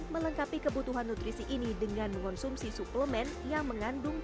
melengkapi kebutuhan nutrisi ini dengan mengonsumsi suplemen yang mengandung